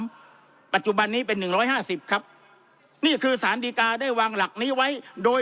ปัจจุบันนี้เป็นหนึ่งร้อยห้าสิบครับนี่คือสารดีกาได้วางหลักนี้ไว้โดย